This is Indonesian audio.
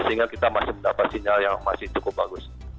sehingga kita masih mendapat sinyal yang masih cukup bagus